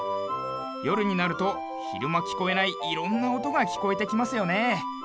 よるになるとひるまきこえないいろんなおとがきこえてきますよね。